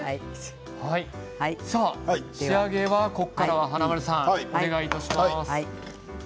仕上げはここから華丸さんお願いします。